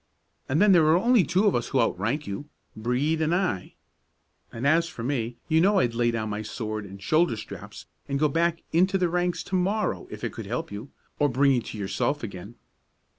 And then there are only two of us who out rank you, Brede and I; and as for me, you know I'd lay down my sword and shoulder straps and go back into the ranks to morrow if it could help you, or bring you to yourself again."